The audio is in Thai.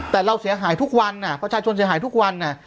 แต่เราเสียหายทุกวันอ่ะเพราะชายชนเสียหายทุกวันอ่ะ